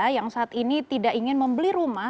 yang saat ini tidak ingin membeli rumah